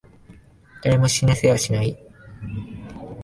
誰も死なせはしない。